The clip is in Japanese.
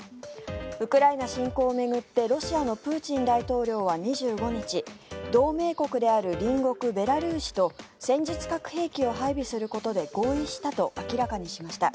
ウクライナ侵攻を巡ってロシアのプーチン大統領は２５日同盟国である隣国ベラルーシと戦術核兵器を配備することで合意したと明らかにしました。